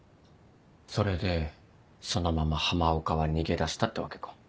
それでそのまま浜岡は逃げ出したってわけか。